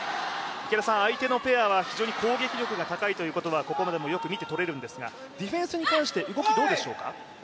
相手のペアは非常に攻撃力が高いということは、ここまでも見てとれるんですがディフェンスに関して、動きどうでしょうか？